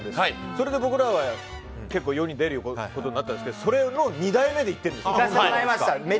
それで僕らは結構世に出ることがあったんですけどそれの２代目で行ってるんですよ。